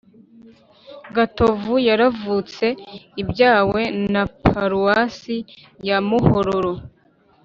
gatovu yaravutse ibyawe na paruwasi ya muhororo